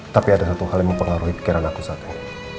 tapi ada satu hal yang mempengaruhi pikiran aku saat ini